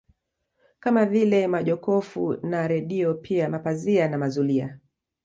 Kama vile majokofu na redio pia mapazia na mazulia